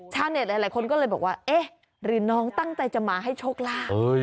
ชาวเน็ตหลายคนก็เลยบอกว่าเอ๊ะหรือน้องตั้งใจจะมาให้โชคลาภ